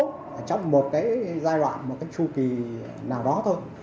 chỉ lỗ trong một cái giai đoạn một cái chu kỳ nào đó thôi